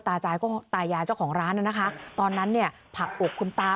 ตายก็ตายายเจ้าของร้านน่ะนะคะตอนนั้นเนี่ยผลักอกคุณตา